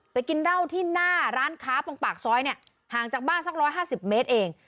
กินเหล้าที่หน้าร้านค้าตรงปากซอยเนี่ยห่างจากบ้านสัก๑๕๐เมตรเอง